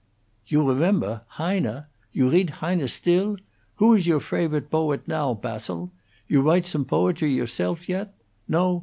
You remember? Heine? You readt Heine still? Who is your favorite boet now, Passil? You write some boetry yourself yet? No?